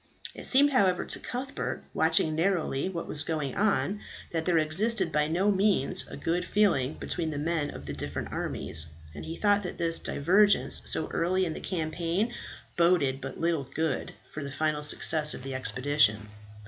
It seemed, however, to Cuthbert, watching narrowly what was going on, that there existed by no means a good feeling between the men of the different armies; and he thought that this divergence so early in the campaign boded but little good for the final success of the expedition.